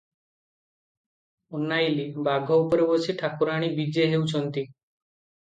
ଅନାଇଲି, ବାଘ ଉପରେ ବସି ଠାକୁରାଣୀ ବିଜେ ହେଉଛନ୍ତି ।